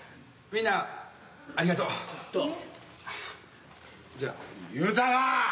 みんなありがとう。